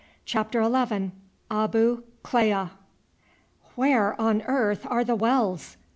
CHAPTER XI. ABU KLEA "Where on earth are the wells?"